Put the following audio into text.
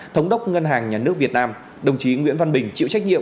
thống đốc ngân hàng nhà nước việt nam đồng chí nguyễn văn bình chịu trách nhiệm